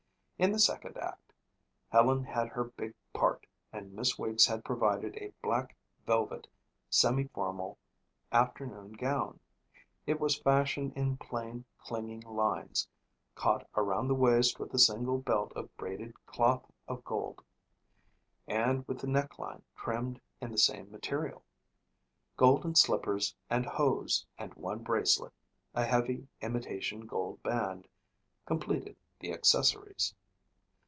In the second act Helen had her big part and Miss Weeks had provided a black, velvet semiformal afternoon gown. It was fashioned in plain, clinging lines, caught around the waist with a single belt of braided cloth of gold and with the neckline trimmed in the same material. Golden slippers and hose and one bracelet, a heavy, imitation gold band, completed the accessories.